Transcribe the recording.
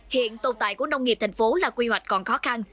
hiện tồn tại của nông nghiệp thành phố là quy hoạch còn khó khăn